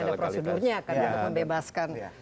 ada prosedurnya untuk membebaskan